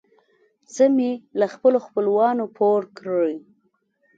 څه مې له خپلو خپلوانو پور کړې.